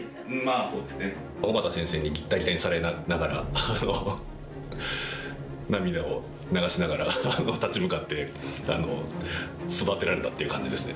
小県先生にギッタギタにされながら涙を流しながら立ち向かって育てられたっていう感じですね。